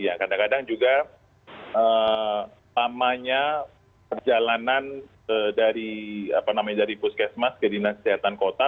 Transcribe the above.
ya kadang kadang juga lamanya perjalanan dari puskesmas ke dinas kesehatan kota